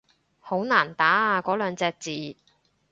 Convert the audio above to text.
好難打啊嗰兩隻字